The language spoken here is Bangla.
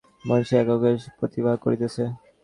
মনই সেই এককে বহুরূপে প্রতিভাত করিতেছে।